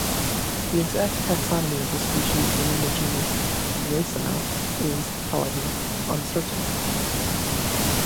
The exact taxonomy of the species within the genus "Dreissena" is, however, uncertain.